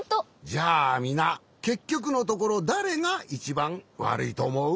じゃあみなけっきょくのところだれがいちばんわるいとおもう？